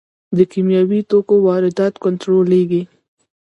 د کیمیاوي توکو واردات کنټرولیږي؟